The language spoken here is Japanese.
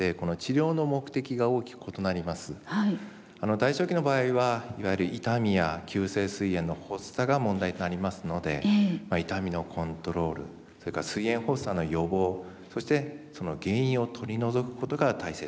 代償期の場合はいわゆる痛みや急性すい炎の発作が問題となりますので痛みのコントロールそれからすい炎発作の予防そしてその原因を取り除くことが大切です。